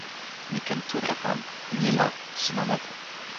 mi ken tu e pan. ni la sina moku.